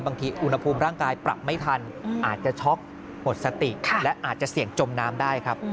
อุณหภูมิร่างกายปรับไม่ทันอาจจะช็อกหมดสติและอาจจะเสี่ยงจมน้ำได้ครับ